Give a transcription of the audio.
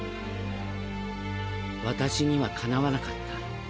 私には敵わなかった。